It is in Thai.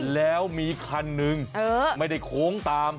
แล้วมีคันหนึ่งไม่ได้โค้งตาม